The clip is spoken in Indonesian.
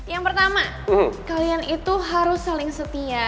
yang pertama kalian itu harus saling setia